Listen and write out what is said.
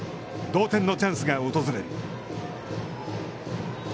同点のチャンスが訪れる。